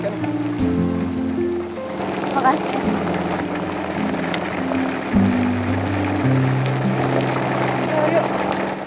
gue pikir lo emang beneran nyari gue